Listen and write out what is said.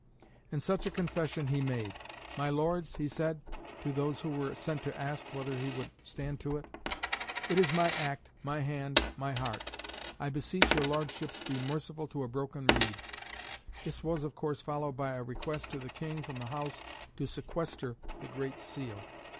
And such a confession he made. "My Lords," he said, to those who were sent to ask whether he would stand to it, "it is my act, my hand, my heart. I beseech your Lordships be merciful to a broken reed." This was, of course, followed by a request to the King from the House to "sequester" the Great Seal.